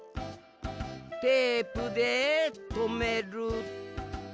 テープでとめる。